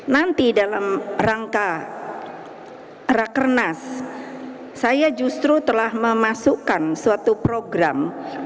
nanti dalam rangka rakernas saya justru telah memasukkan suatu program